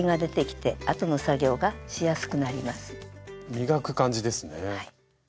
磨く感じですね。